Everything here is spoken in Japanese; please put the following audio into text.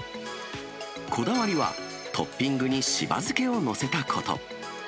こだわりは、トッピングに柴漬けを載せたこと。